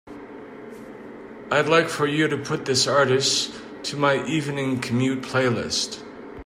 I'd like for you to put this artist to my Evening Commute playlist.